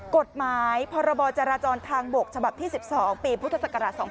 กฎหมายพรจราจรทางบกฉที่๑๒ปีพศ๒๕๖๒